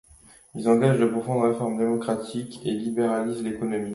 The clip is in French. Il engage de profondes réformes démocratiques et libéralise l'économie.